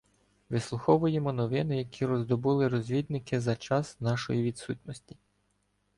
Вислуховуємо новини, які роздобули розвідники за час нашої відсутності.